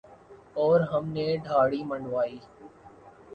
اور ہم نے دھاڑی منڈوادی